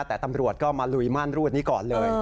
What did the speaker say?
แต่ตำรวจก็มาลุยม่านรูดนี้ก่อนเลย